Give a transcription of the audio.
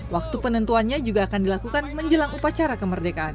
waktu penentuannya juga akan dilakukan menjelang upacara kemerdekaan